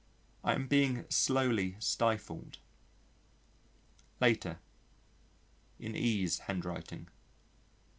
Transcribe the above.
I am being slowly stifled. _Later. (In E.'s handwriting.)